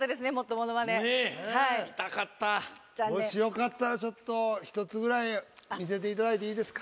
もしよかったらちょっと１つぐらい見せていただいていいですか？